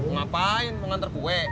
ngapain mengantar kue